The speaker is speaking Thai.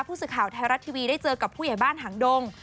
ผู้สื่อข่าวไทยรัฐทีวีได้เจอกับผู้ใหญ่บ้านหางดง